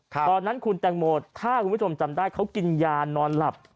ตอนนั้นคุณแตงโมถ้าคุณผู้ชมจำได้เขากินยานอนหลับ